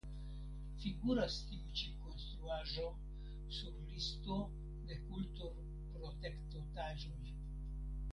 Figuras tiu ĉi konstruaĵo sur listo de kulturprotektotaĵoj.